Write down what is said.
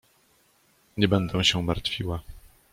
— Nie będę się martwiła.